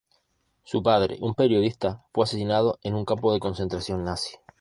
Su padre, un periodista, fue asesinado en un campo de concentración nazi.